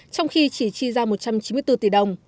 trong khi chỉ chi ra một trăm chín mươi bốn tỷ đồng